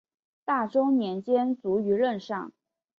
大中年间卒于任上。